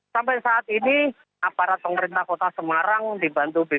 sampai saat ini aparat pemerintah kota semarang dibantu